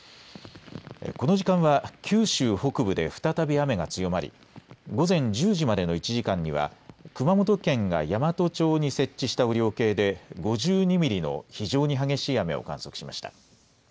この時間は九州北部で再び雨が強まり午前１０時までの１時間には熊本県が山都町に設置した雨量計で５２ミリの非常に激しい雨を観測しました。